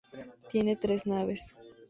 Tiene tres naves.